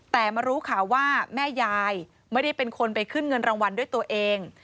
แต่มารู้ข่าวว่าแม่ยายไม่ได้เป็นคนไปขึ้นเงินรางวัลด้วยตัวเอง